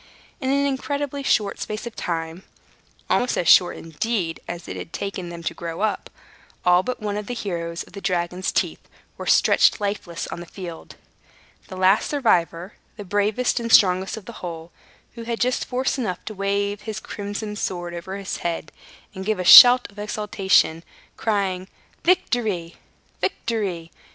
In an incredibly short space of time (almost as short, indeed, as it had taken them to grow up), all but one of the heroes of the dragon's teeth were stretched lifeless on the field. The last survivor, the bravest and strongest of the whole, had just force enough to wave his crimson sword over his head and give a shout of exultation, crying, "Victory! Victory!